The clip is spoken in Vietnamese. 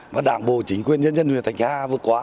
và đảng bộ chính quyền nhân dân huyện thạch hà vừa qua